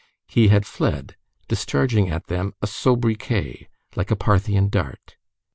He had fled, discharging at them a sobriquet, like a Parthian dart.